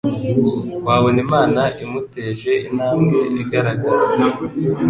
wabona Imana imuteje intambwe igaragara